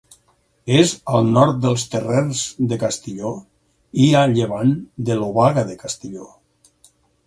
És al nord dels Terrers de Castilló i a llevant de l'Obaga de Castilló.